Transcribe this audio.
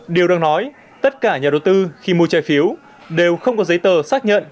điều đang nói tất cả nhà đầu tư khi mua trái phiếu đều không có giấy tờ xác nhận